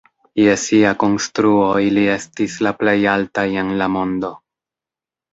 Je sia konstruo, ili estis la plej altaj en la mondo.